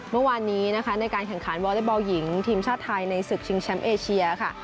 เมื่อวานนี้นะคะในการแข่งขันวอเล็กบอลหญิงทีมชาติไทยในศึกชิงแชมป์เอเชียค่ะ